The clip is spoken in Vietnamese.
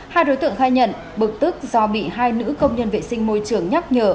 hai đối tượng khai nhận bực tức do bị hai nữ công nhân vệ sinh môi trường nhắc nhở